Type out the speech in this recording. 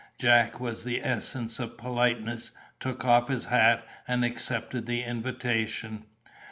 Jack was the essence of politeness, took off his hat, and accepted the invitation.